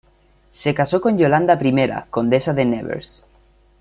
Se casó con Yolanda I, Condesa de Nevers.